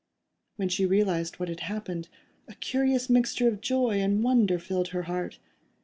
When she realised what had happened, a curious mixture of joy and wonder filled her heart.